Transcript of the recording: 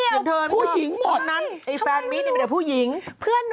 อืมอืมอืมอืมอืมอืม